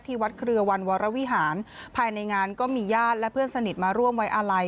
วัดเครือวันวรวิหารภายในงานก็มีญาติและเพื่อนสนิทมาร่วมไว้อาลัย